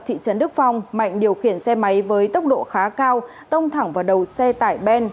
thị trấn đức phong mạnh điều khiển xe máy với tốc độ khá cao tông thẳng vào đầu xe tải ben